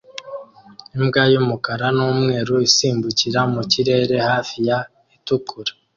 Imbwa y'umukara n'umweru isimbukira mu kirere hafi ya itukura